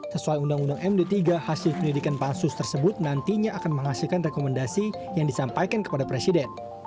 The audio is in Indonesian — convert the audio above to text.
sesuai undang undang md tiga hasil pendidikan pansus tersebut nantinya akan menghasilkan rekomendasi yang disampaikan kepada presiden